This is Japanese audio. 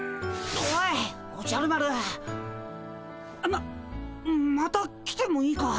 ままた来てもいいか？